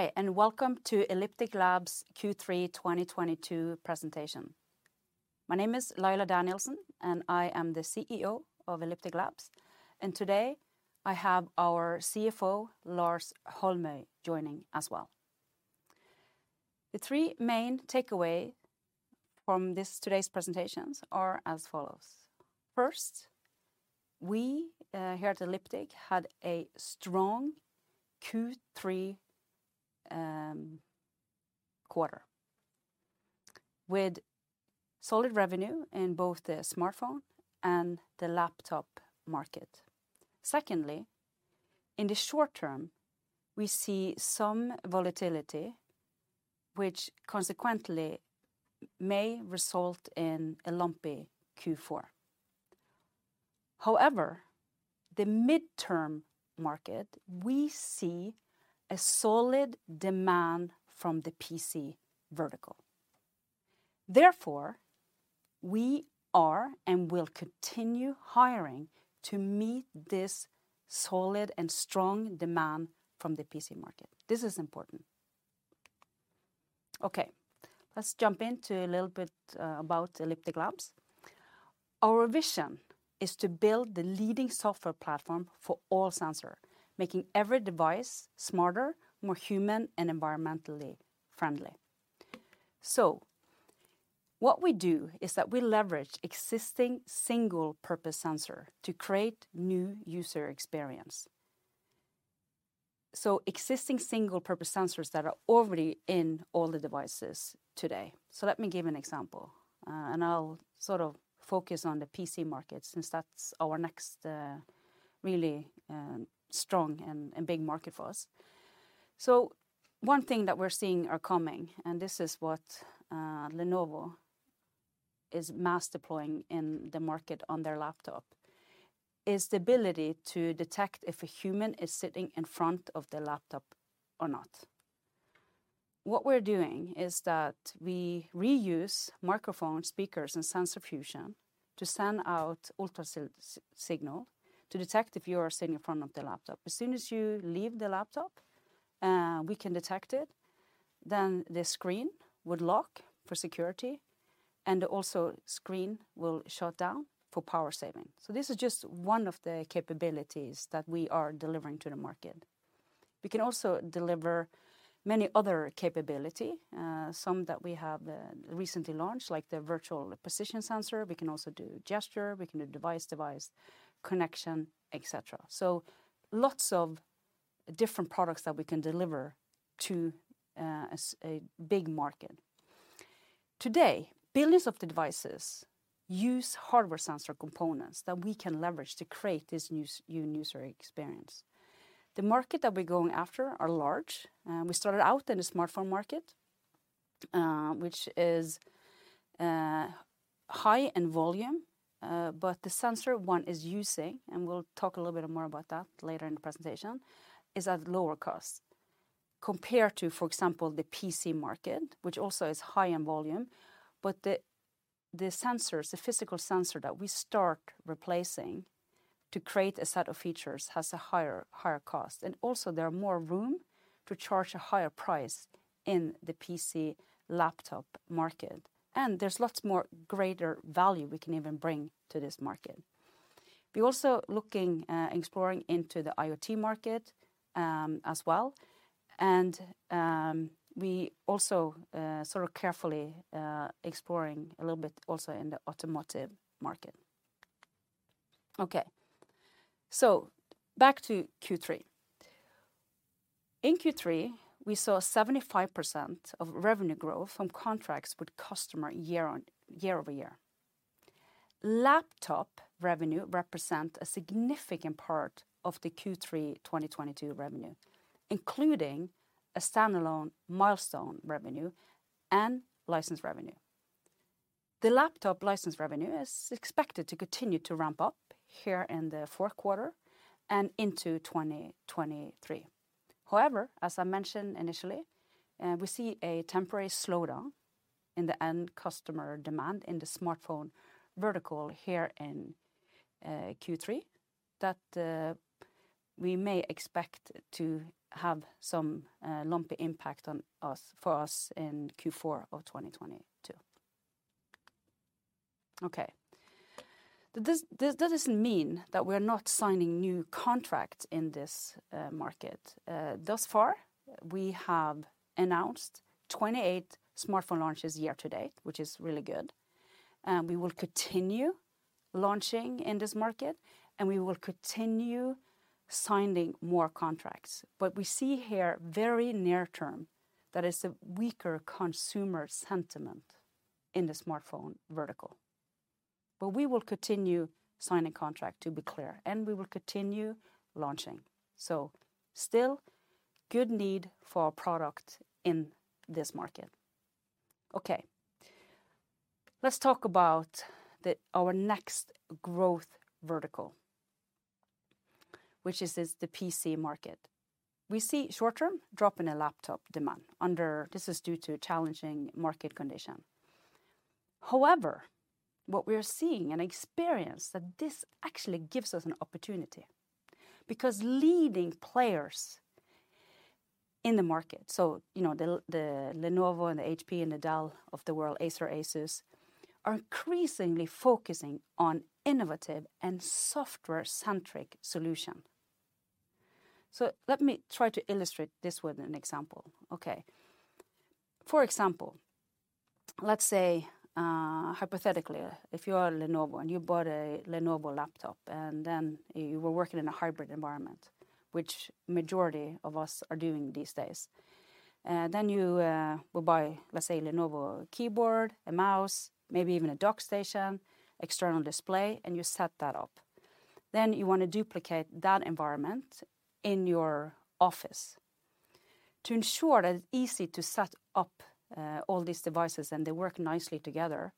Hi, and welcome to Elliptic Labs Q3 2022 presentation. My name is Laila Danielsen, and I am the CEO of Elliptic Labs, and today I have our CFO, Lars Holmøy, joining as well. The three main takeaway from today's presentations are as follows. First, we here at Elliptic had a strong Q3 quarter with solid revenue in both the smartphone and the laptop market. Secondly, in the short term, we see some volatility which consequently may result in a lumpy Q4. However, the midterm market, we see a solid demand from the PC vertical. Therefore, we are and will continue hiring to meet this solid and strong demand from the PC market. This is important. Okay, let's jump into a little bit about Elliptic Labs. Our vision is to build the leading software platform for all sensor, making every device smarter, more human, and environmentally friendly. What we do is that we leverage existing single-purpose sensor to create new user experience. Existing single-purpose sensors that are already in all the devices today. Let me give an example, and I'll sort of focus on the PC market since that's our next really strong and big market for us. One thing that we're seeing are coming, and this is what Lenovo is mass deploying in the market on their laptop, is the ability to detect if a human is sitting in front of the laptop or not. What we're doing is that we reuse microphone, speakers, and sensor fusion to send out [ultra] signal to detect if you are sitting in front of the laptop. As soon as you leave the laptop, we can detect it, then the screen would lock for security, and also screen will shut down for power saving. This is just one of the capabilities that we are delivering to the market. We can also deliver many other capability, some that we have recently launched, like the AI Virtual Human Presence Sensor. We can also do gesture, we can do device-device connection, et cetera. Lots of different products that we can deliver to a big market. Today, billions of devices use hardware sensor components that we can leverage to create this new user experience. The market that we're going after are large. We started out in the smartphone market which is high in volume, but the sensor one is using, and we'll talk a little bit more about that later in the presentation, is at lower cost compared to, for example, the PC market, which also is high in volume, but the sensors, the physical sensor that we start replacing to create a set of features has a higher cost. Also there are more room to charge a higher price in the PC/laptop market, and there's lots more greater value we can even bring to this market. We're also exploring into the IoT market as well, and we also sort of carefully exploring a little bit also in the automotive market. Okay, back to Q3. In Q3, we saw 75% of revenue growth from contracts with customer year-over-year. Laptop revenue represent a significant part of the Q3 2022 revenue, including a standalone milestone revenue and license revenue. The laptop license revenue is expected to continue to ramp up here in the fourth quarter and into 2023. However, as I mentioned initially, we see a temporary slowdown in the end customer demand in the smartphone vertical here in Q3 that we may expect to have some lumpy impact for us in Q4 of 2022. Okay. That doesn't mean that we're not signing new contracts in this market. Thus far, we have announced 28 smartphone launches year-to-date, which is really good, and we will continue launching in this market, and we will continue signing more contracts. We see here very near term that it's a weaker consumer sentiment in the smartphone vertical. We will continue signing contract, to be clear, and we will continue launching. Still good need for our product in this market. Okay. Let's talk about our next growth vertical, which is as the PC market. We see short-term drop in a laptop demand. This is due to a challenging market condition. However, what we are seeing and experience that this actually gives us an opportunity because leading players in the market, you know, the Lenovo and the HP and the Dell of the world, Acer, ASUS, are increasingly focusing on innovative and software-centric solution. Let me try to illustrate this with an example, okay. For example, let's say, hypothetically, if you are Lenovo and you bought a Lenovo laptop, and then you were working in a hybrid environment, which majority of us are doing these days. You will buy, let's say, Lenovo keyboard, a mouse, maybe even a dock station, external display, and you set that up. You wanna duplicate that environment in your office to ensure that it's easy to set up all these devices, and they work nicely together.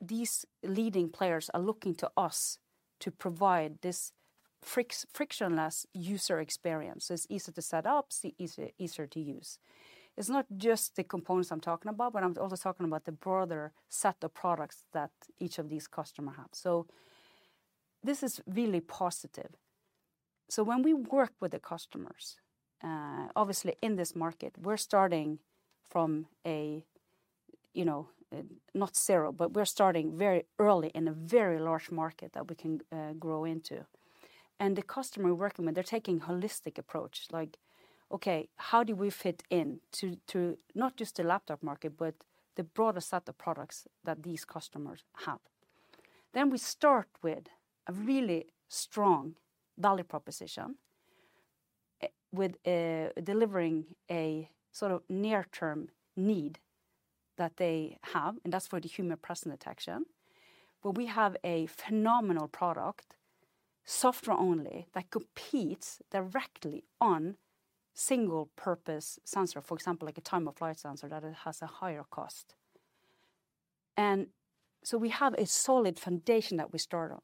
These leading players are looking to us to provide this frictionless user experience that's easier to set up, easier to use. It's not just the components I'm talking about, but I'm also talking about the broader set of products that each of these customers have. This is really positive. When we work with the customers, obviously in this market, we're starting from a, you know, not zero, but we're starting very early in a very large market that we can grow into. The customer we recommend, they're taking holistic approach like, "Okay, how do we fit in to not just the laptop market but the broader set of products that these customers have?" We start with a really strong value proposition with delivering a sort of near-term need that they have, and that's for the human presence detection, but we have a phenomenal product, software-only, that competes directly on single-purpose sensor, for example, like a time-of-flight sensor that it has a higher cost. We have a solid foundation that we start on.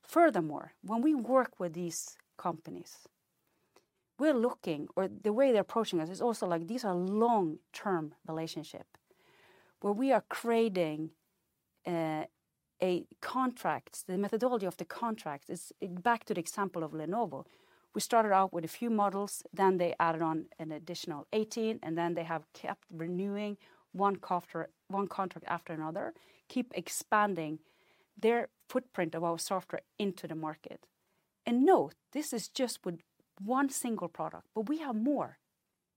Furthermore, when we work with these companies, we're looking, or the way they're approaching us is also like these are long-term relationship where we are creating a contract. The methodology of the contract is back to the example of Lenovo. We started out with a few models, then they added on an additional 18, and then they have kept renewing one contract after another, keep expanding their footprint of our software into the market. Note, this is just with one single product, but we have more,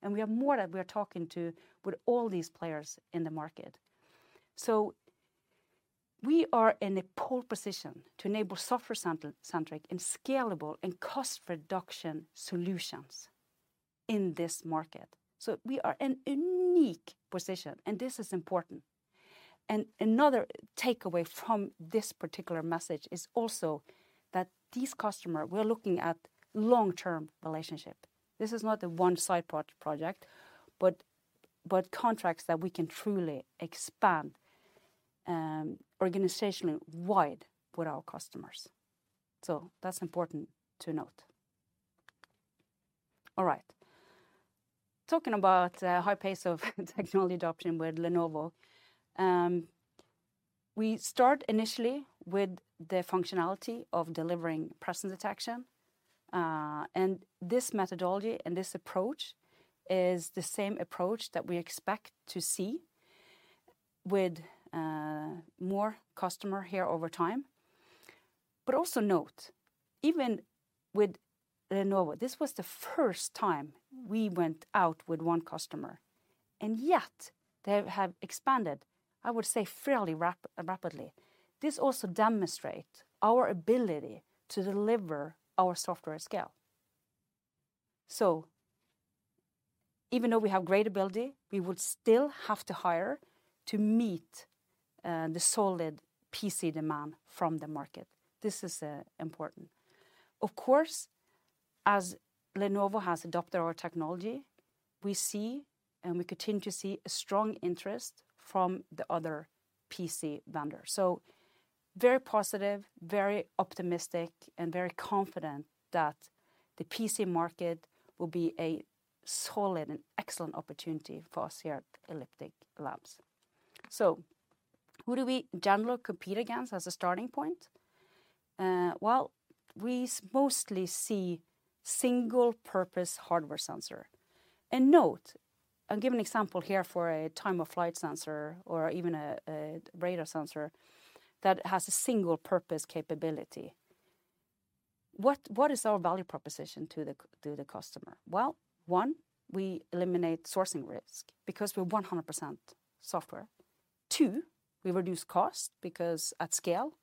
and we have more that we are talking to with all these players in the market. We are in a pole position to enable software-centric and scalable and cost-reduction solutions in this market. We are in unique position, and this is important. Another takeaway from this particular message is also that these customers, we are looking at long-term relationship. This is not a one side project, but contracts that we can truly expand organizationally wide with our customers. That's important to note. All right. Talking about high pace of technology adoption with Lenovo, we start initially with the functionality of delivering presence detection, and this methodology and this approach is the same approach that we expect to see with more customers here over time. Also note, even with Lenovo, this was the first time we went out with one customer, and yet they have expanded, I would say fairly rapidly. This also demonstrates our ability to deliver our software scale. Even though we have great ability, we would still have to hire to meet the solid PC demand from the market. This is important. Of course, as Lenovo has adopted our technology, we see and we continue to see a strong interest from the other PC vendors. Very positive, very optimistic, and very confident that the PC market will be a solid and excellent opportunity for us here at Elliptic Labs. Who do we generally compete against as a starting point? Well, we mostly see single-purpose hardware sensor. Note, I'll give an example here for a time-of-flight sensor or even a radar sensor that has a single-purpose capability. What is our value proposition to the customer? Well, one, we eliminate sourcing risk because we're 100% software. Two, we reduce cost because at scale,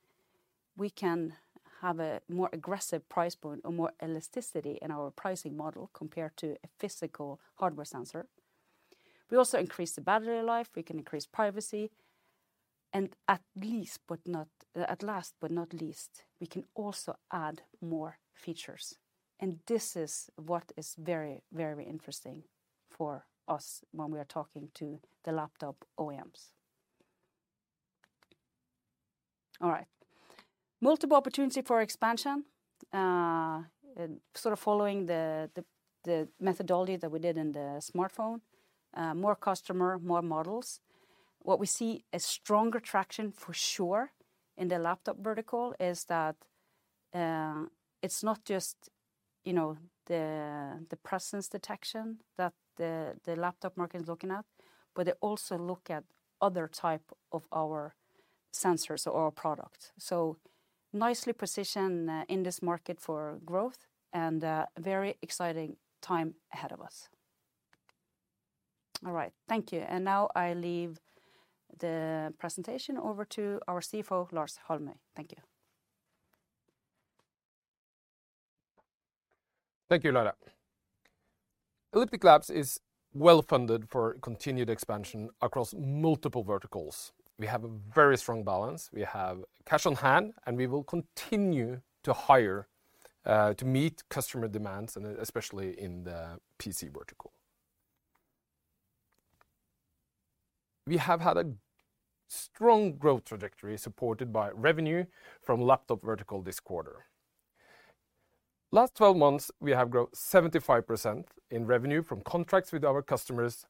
we can have a more aggressive price point or more elasticity in our pricing model compared to a physical hardware sensor. We also increase the battery life, we can increase privacy, and at last but not least, we can also add more features, and this is what is very interesting for us when we are talking to the laptop OEMs. All right. Multiple opportunity for expansion. Sort of following the methodology that we did in the Smartphone, more customer, more models. What we see a stronger traction for sure in the laptop vertical is that it's not just, you know, the presence detection that the laptop market is looking at, but they also look at other type of our sensors or our product. Nicely positioned in this market for growth and very exciting time ahead of us. All right. Thank you. Now I leave the presentation over to our CFO, Lars Holmøy. Thank you. Thank you, Laila. Elliptic Labs is well-funded for continued expansion across multiple verticals. We have a very strong balance. We have cash on hand, and we will continue to hire to meet customer demands, and especially in the PC vertical. We have had a strong growth trajectory supported by revenue from laptop vertical this quarter. Last 12 months, we have grown 75% in revenue from contracts with our customers,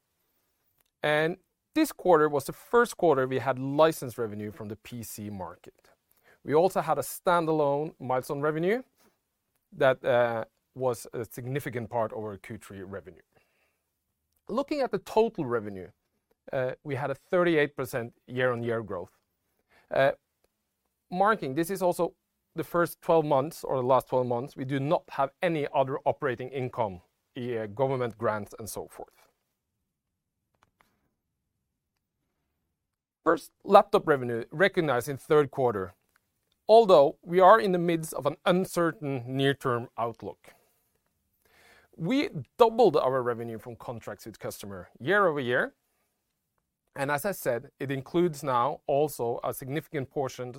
and this quarter was the first quarter we had license revenue from the PC market. We also had a standalone milestone revenue that was a significant part of our Q3 revenue. Looking at the total revenue, we had a 38% year-on-year growth. Marking this is also the first 12 months or the last 12 months, we do not have any other operating income, government grants, and so forth. First, Laptop revenue recognized in third quarter. Although we are in the midst of an uncertain near-term outlook, we doubled our revenue from contracts with customer year-over-year. As I said, it includes now also a significant portion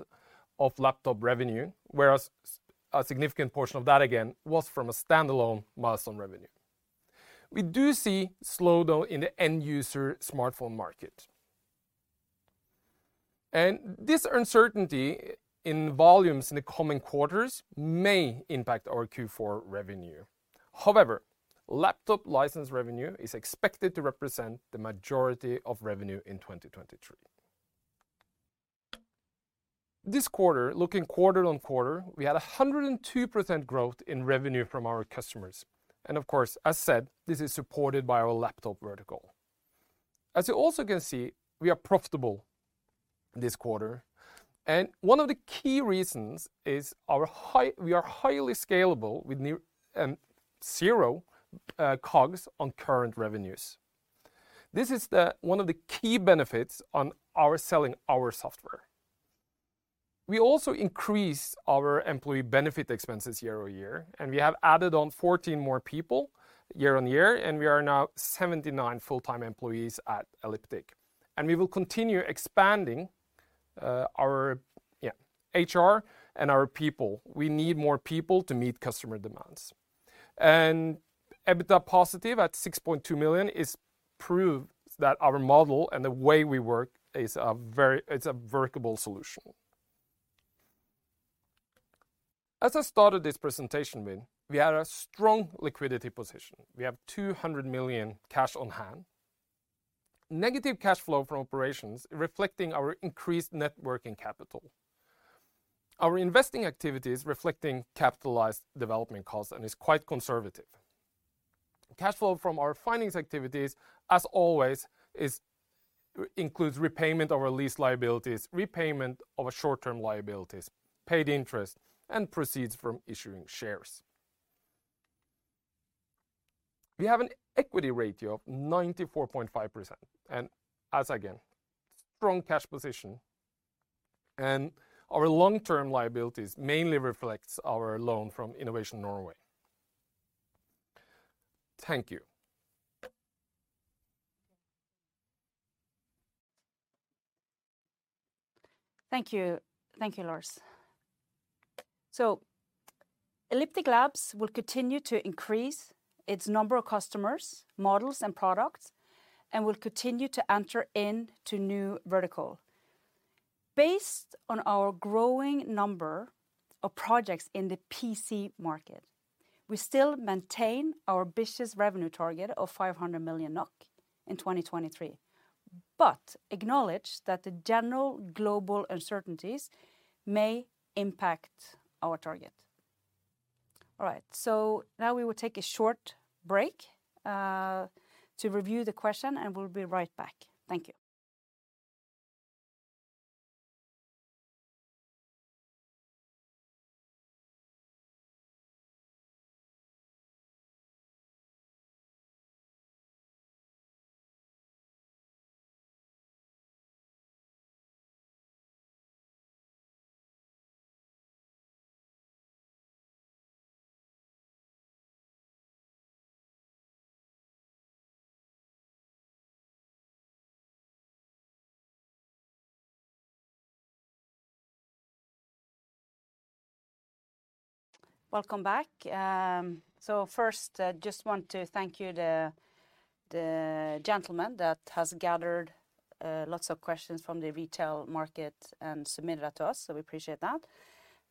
of Laptop revenue, whereas a significant portion of that again was from a standalone milestone revenue. We do see slowdown in the end-user smartphone market. This uncertainty in volumes in the coming quarters may impact our Q4 revenue. However, Laptop license revenue is expected to represent the majority of revenue in 2023. This quarter, looking quarter-on-quarter, we had 102% growth in revenue from our customers. Of course, as said, this is supported by our laptop vertical. As you also can see, we are profitable this quarter. One of the key reasons is we are highly scalable with near zero COGS on current revenues. One of the key benefits on our selling our software. We also increase our employee benefit expenses year-over-year, and we have added on 14 more people year-on-year, and we are now 79 full-time employees at Elliptic. We will continue expanding our, yeah, H.R. and our people. We need more people to meet customer demands. EBITDA positive at 6.2 million is proof that our model and the way we work is a workable solution. As I started this presentation with, we had a strong liquidity position. We have 200 million cash on hand. Negative cash flow from operations reflecting our increased net working capital. Our investing activities reflecting capitalized development costs, and it's quite conservative. Cash flow from our finance activities, as always, includes repayment of our lease liabilities, repayment of short-term liabilities, paid interest, and proceeds from issuing shares. We have an equity ratio of 94.5%, and as again, strong cash position. Our long-term liabilities mainly reflects our loan from Innovation Norway. Thank you. Thank you. Thank you, Lars. Elliptic Labs will continue to increase its number of customers, models, and products, and will continue to enter into new vertical. Based on our growing number of projects in the PC market, we still maintain our ambitious revenue target of 500 million NOK in 2023, but acknowledge that the general global uncertainties may impact our target. All right, now we will take a short break to review the question, and we'll be right back. Thank you. Welcome back. First, just want to thank you the gentleman that has gathered lots of questions from the retail market and submitted that to us, so we appreciate that.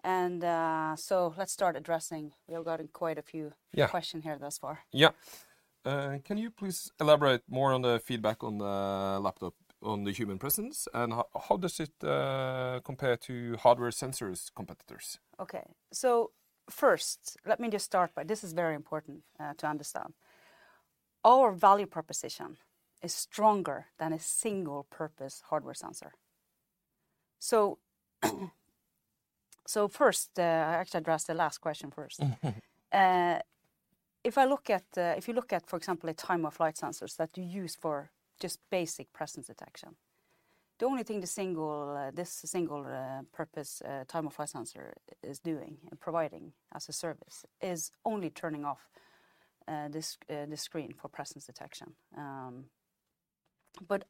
Let's start addressing. We have gotten quite a few. Yeah Questions here thus far. Yeah. Can you please elaborate more on the feedback on the laptop on the human presence, and how does it compare to hardware sensors competitors? Okay. First, let me just start by this is very important to understand. Our value proposition is stronger than a single-purpose hardware sensor. First, I actually address the last question first. Mm-hmm. If you look at, for example, a time-of-flight sensors that you use for just basic presence detection, the only thing this single-purpose time-of-flight sensor is doing and providing as a service is only turning off this screen for presence detection.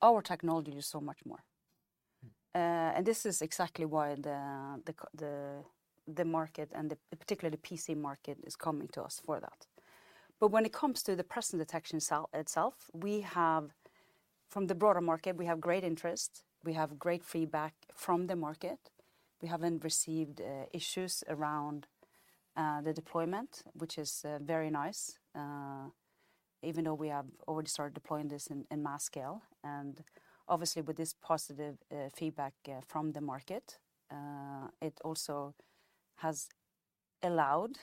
Our technology is so much more. This is exactly why the market and the, particularly PC market is coming to us for that. When it comes to the presence detection itself, we have, from the broader market, great interest, we have great feedback from the market. We haven't received issues around the deployment, which is very nice, even though we have already started deploying this in mass scale. Obviously with this positive feedback from the market, it also has allowed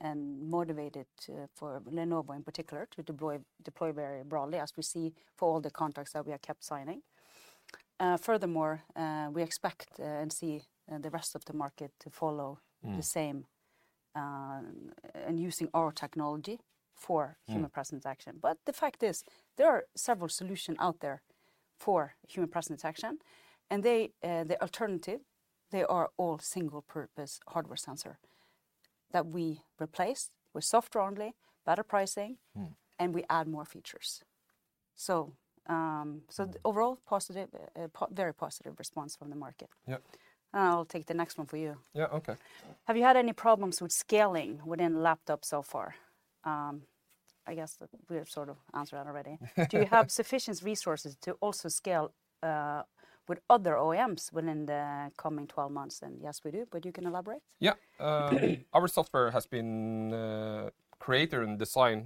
and motivated for Lenovo in particular to deploy very broadly as we see for all the contracts that we have kept signing. Furthermore, we expect and see the rest of the market to follow. Mm The same and using our technology for. Mm Human presence detection. The fact is there are several solution out there for human presence detection, and the alternative, they are all single-purpose hardware sensor that we replaced with software only, better pricing. Mm We add more features. Overall positive, very positive response from the market. Yep. I'll take the next one for you. Yeah. Okay. Have you had any problems with scaling within laptops so far? I guess we have sort of answered that already. Do you have sufficient resources to also scale with other OEMs within the coming 12 months then? Yes, we do, but you can elaborate. Yeah. Our software has been created and designed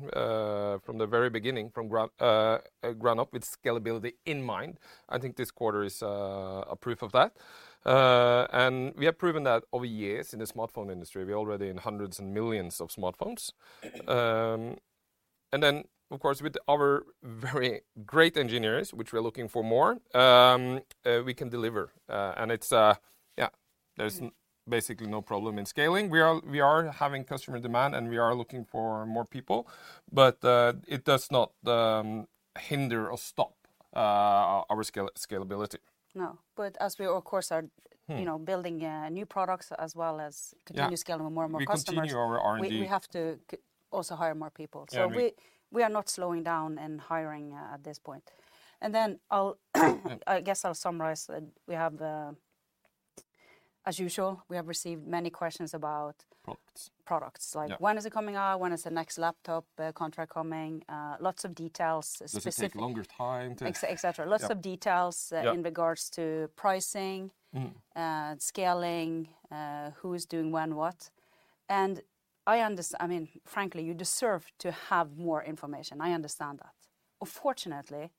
from the very beginning, from ground up with scalability in mind. I think this quarter is a proof of that. We have proven that over years in the smartphone industry. We're already in hundreds and millions of smartphones. Of course, with our very great engineers, which we're looking for more, we can deliver. Yeah, there's basically no problem in scaling. We are having customer demand, and we are looking for more people, but it does not hinder or stop our scalability. No. As we of course are. Mm You know, building new products. Yeah Continue scaling with more and more customers. We continue our R&D. We have to also hire more people. Yeah. We are not slowing down in hiring at this point. I guess I'll summarize. As usual, we have received many questions. Products Products. Yeah. Like when is it coming out? When is the next Laptop contract coming? Lots of details. Does it take longer time to? Et cetera. Yeah. Lots of details. Yeah In regards to pricing. Mm Scaling, who is doing when what. I mean, frankly, you deserve to have more information. I understand that. Unfortunately,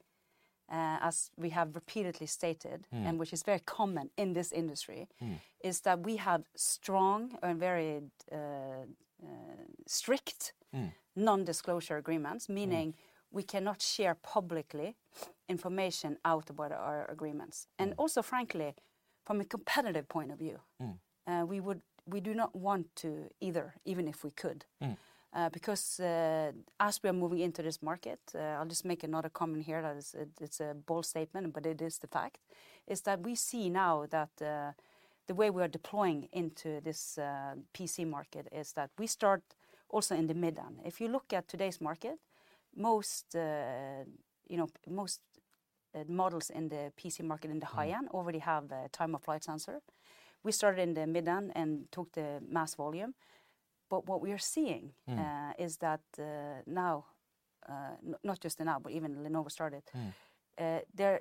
as we have repeatedly stated. Mm Which is very common in this industry. Mm Is that we have strong and very strict. Mm Non-disclosure agreements. Mm Meaning we cannot share publicly information out about our agreements. Mm. Also, frankly, from a competitive point of view. Mm We do not want to either, even if we could. Mm. Because as we are moving into this market, I'll just make another comment here that it's a bold statement, but it is the fact that we see now that the way we are deploying into this PC market is that we start also in the mid-end. If you look at today's market, most, you know, models in the PC market in the high-end. Mm Already have the time-of-flight sensor. We started in the mid-end and took the mass volume. Mm Is that not just in now, but even Lenovo started. Mm They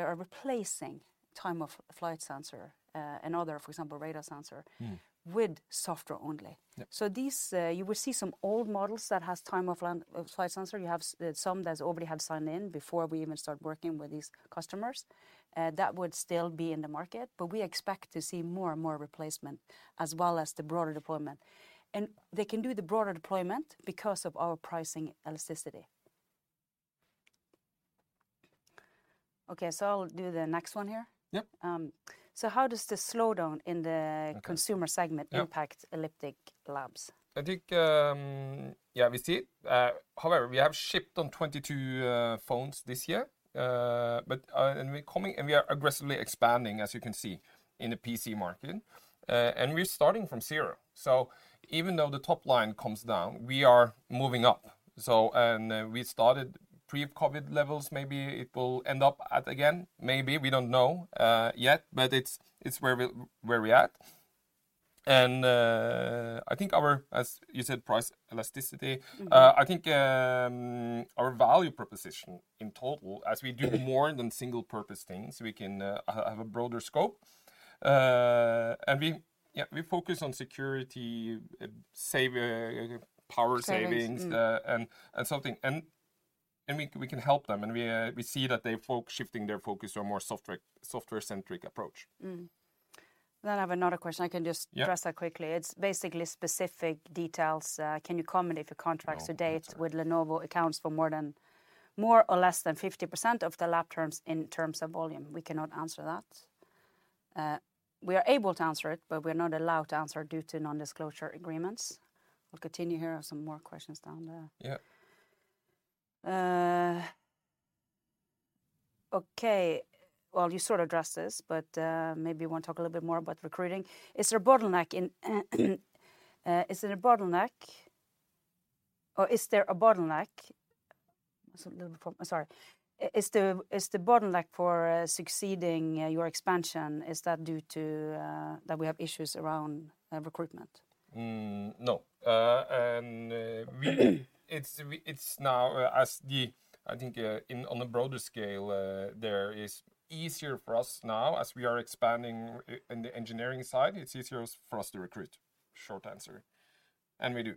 are replacing time-of-flight sensor and other, for example, radar sensor. Mm With software only. Yep. These, you will see some old models that has time-of-flight sensor. You have some that already have signed in before we even start working with these customers. That would still be in the market, but we expect to see more and more replacement as well as the broader deployment. They can do the broader deployment because of our pricing elasticity. Okay, I'll do the next one here. Yep. How does the slowdown in the Okay consumer segment Yep Impact Elliptic Labs? I think, yeah, we see, however, we have shipped on 22 phones this year. We are aggressively expanding, as you can see, in the PC market. We're starting from zero. Even though the top-line comes down, we are moving up. We started pre-COVID levels, maybe it will end up at again, maybe we don't know yet, but it's where we're at. I think our, as you said, price elasticity. Mm-hmm I think our value proposition in total, as we do more than single-purpose things, we can have a broader scope. Yeah, we focus on security, power savings. Savings. Something. We can help them. We see that they shifting their focus to a more software-centric approach. I have another question. Yeah Address that quickly. It's basically specific details. Can you comment if a contract to date with Lenovo accounts for more or less than 50% of the laptop volumes in terms of volume? We cannot answer that. We are able to answer it, but we're not allowed to answer due to non-disclosure agreements. We'll continue here. I have some more questions down there. Yeah. Okay. Well, you sort of addressed this, but maybe you wanna talk a little bit more about recruiting. Is there a bottleneck? Is the bottleneck for succeeding your expansion, is that due to that we have issues around recruitment? No. I think, on a broader scale, there is easier for us now as we are expanding in the engineering side. It's easier for us to recruit. Short answer. We do.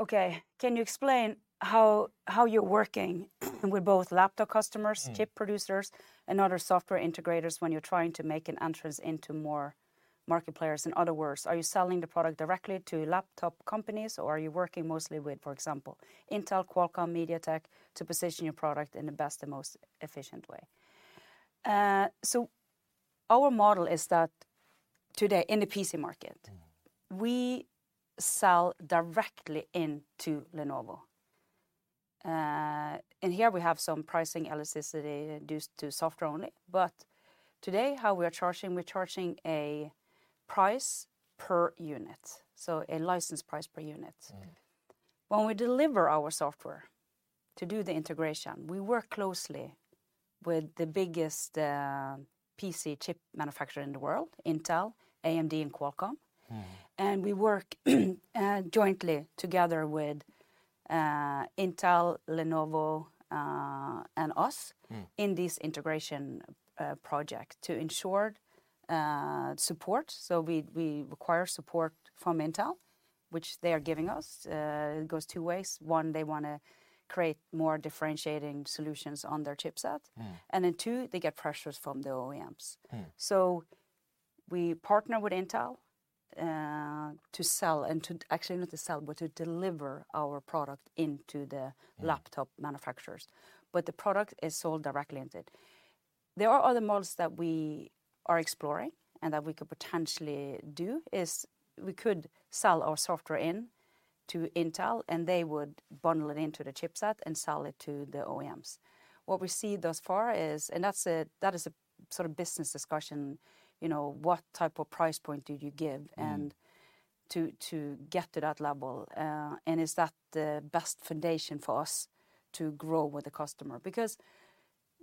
Okay. Can you explain how you're working with both laptop customers? Mm Chip producers and other software integrators when you're trying to make an entrance into more market players? In other words, are you selling the product directly to laptop companies or are you working mostly with, for example, Intel, Qualcomm, MediaTek, to position your product in the best and most efficient way? Our model is that today in the PC market. Mm We sell directly into Lenovo. Here we have some pricing elasticity reduced to software only. Today, how we are charging, we're charging a price per unit, so a license price per unit. Mm. When we deliver our software to do the integration, we work closely with the biggest P.C. chip manufacturer in the world, Intel, AMD and Qualcomm. Mm. We work jointly together with Intel, Lenovo, and ASUS. Mm In this integration project to ensure support, we require support from Intel, which they are giving us. It goes two ways. One, they wanna create more differentiating solutions on their chipset. Mm. Two, they get pressures from the OEMs. Mm. We partner with Intel, actually not to sell, but to deliver our product into the laptop manufacturers. The product is sold directly into it. There are other models that we are exploring and that we could potentially do, is we could sell our software into Intel, and they would bundle it into the chipset and sell it to the OEMs. What we see thus far is, and that is a sort of business discussion, you know, what type of price point do you give. Mm To get to that level. Is that the best foundation for us to grow with the customer?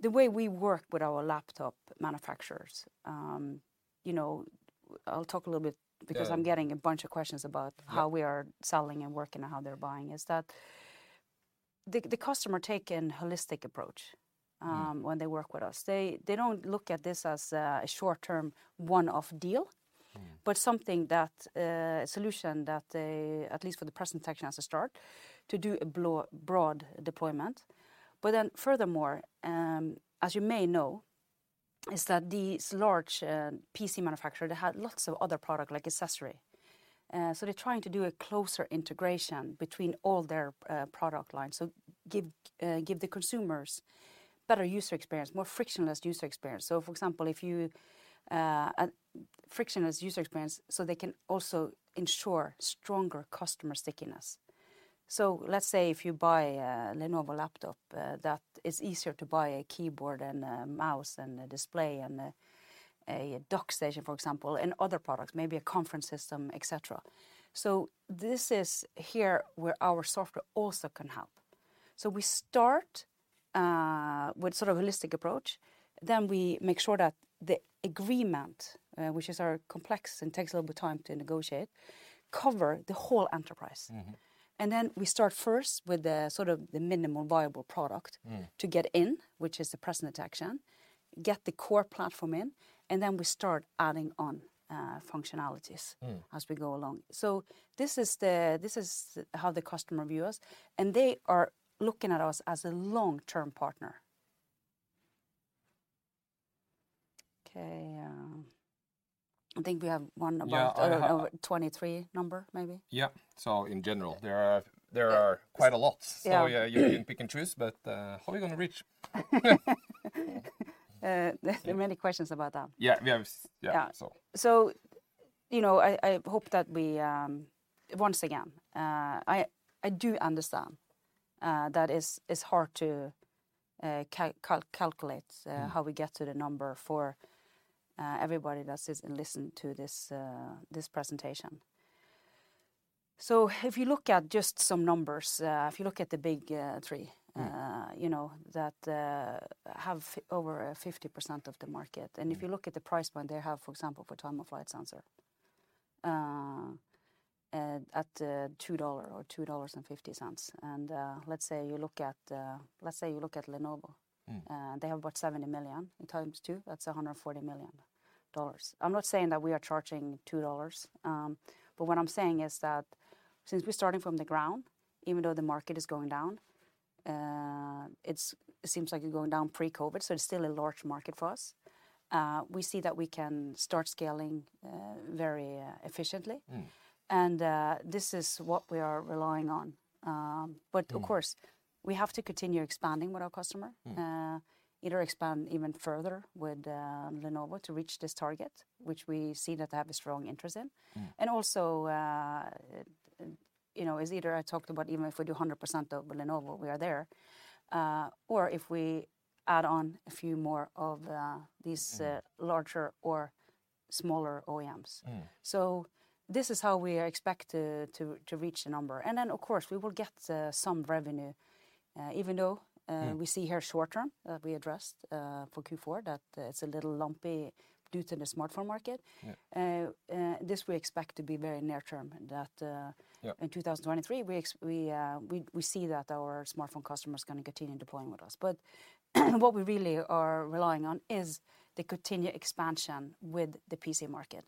Because the way we work with our laptop manufacturers, you know, I'll talk a little bit. Yeah Because I'm getting a bunch of questions about how we are selling and working and how they're buying, is that the customer take an holistic approach, um, when they work with us. They, they don't look at this as a short-term one-off deal- Mm A solution that they, at least for the presence detection as a start, to do a broad deployment. Furthermore, as you may know, is that these large PC manufacturers, they have lots of other products like accessories. They're trying to do a closer integration between all their product lines, so give the consumers better user experience, more frictionless user experience. For example, a frictionless user experience, so they can also ensure stronger customer stickiness. Let's say if you buy a Lenovo laptop, that it's easier to buy a keyboard and a mouse and a display and a dock station, for example, and other products, maybe a conference system, et cetera. This is here where our software also can help. We start with sort of holistic approach. We make sure that the agreement, which is complex and takes a little bit of time to negotiate, cover the whole enterprise. Mm-hmm. We start first with the sort of the minimum viable product. Mm To get in, which is the presence detection, get the core platform in, and then we start adding on functionalities. Mm As we go along. This is how the customer view us, and they are looking at us as a long-term partner. Okay. I think we have one about. Yeah. The 2023 number maybe. Yeah. In general, there are quite a lot. Yeah. Yeah, you can pick and choose, but how are we gonna reach? There are many questions about that. Yeah. Yeah. So. You know, once again, I do understand that it's hard to calculate. Mm How we get to the number for everybody that's sit and listen to this presentation. If you look at just some numbers, if you look at the big three. Mm You know, that have over 50% of the market. Yeah. If you look at the price point, they have, for example, for time-of-flight sensor at $2 or $2.50. Let's say you look at Lenovo. Mm. They have about 70 million times two, that's $140 million. I'm not saying that we are charging $2. What I'm saying is that since we're starting from the ground, even though the market is going down, it seems like it's going down pre-COVID. It's still a large market for us, we see that we can start scaling very efficiently. Mm. This is what we are relying on. Mm We have to continue expanding with our customer. Mm. Either expand even further with Lenovo to reach this target, which we see that they have a strong interest in. Mm. Also, you know, as Laila talked about, even if we do 100% of Lenovo, we are there, or if we add on a few more of these. Mm Larger or smaller OEMs. Mm. This is how we expect to reach the number. Of course, we will get some revenue. Mm We see here short term, we addressed for Q4 that it's a little lumpy due to the smartphone market. Yeah. This we expect to be very near term. Yeah In 2023 we see that our smartphone customers gonna continue deploying with us. What we really are relying on is the continued expansion with the PC market.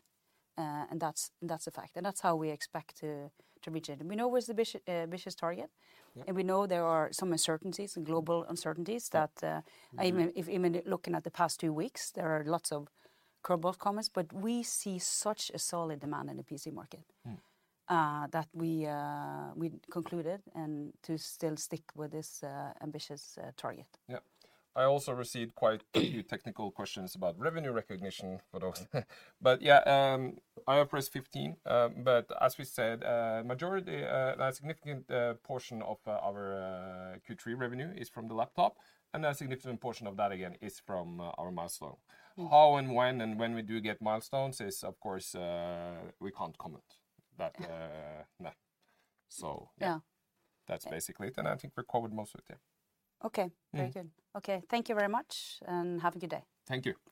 That's a fact. That's how we expect to reach it. We know it was ambitious target. Yeah. We know there are some uncertainties and global uncertainties. Mm If even looking at the past two weeks, there are lots of curveball comments. We see such a solid demand in the PC market. Mm That we concluded and to still stick with this ambitious target. Yeah. I also received quite a few technical questions about revenue recognition for those. Yeah, IFRS 15. As we said, a significant portion of our Q3 revenue is from the Laptop, and a significant portion of that again is from our milestone. Mm. How and when we do get milestones is, of course, we can't comment. No. Yeah That's basically it. I think we've covered most of it, yeah. Okay. Yeah. Very good. Okay. Thank you very much and have a good day. Thank you. Thank you.